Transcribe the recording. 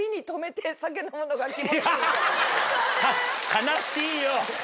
悲しいよ！